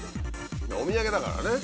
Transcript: お土産だからね。